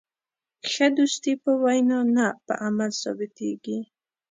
ښه دوستي په وینا نه، په عمل ثابتېږي.